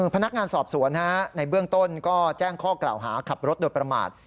พนักงานสอบสวนในเบื้องต้นก็แจ้งข้อกล่าวหาขับรถโดยประมาท